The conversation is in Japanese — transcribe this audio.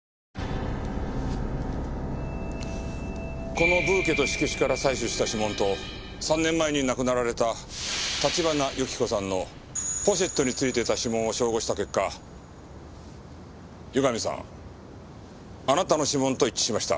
このブーケと色紙から採取した指紋と３年前に亡くなられた立花由紀子さんのポシェットに付いていた指紋を照合した結果湯上さんあなたの指紋と一致しました。